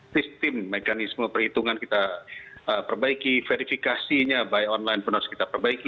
sistem mekanisme perhitungan kita perbaiki verifikasinya by online pun harus kita perbaiki